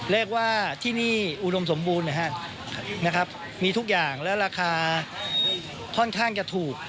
เรียกว่าที่นี่อุดมสมบูรณ์นะครับมีทุกอย่างและราคาค่อนข้างจะถูก